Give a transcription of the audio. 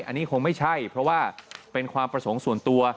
อันนี้คงไม่ใช่เพราะว่าเป็นความประสงค์ส่วนตัว